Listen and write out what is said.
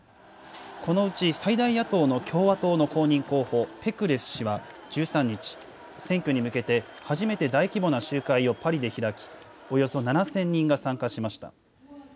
このうち最大野党の共和党の公認候補、ペクレス氏は、１３日、選挙に向けて初めて大規模な集会をパリで開き、およそ７０００人が参加しました。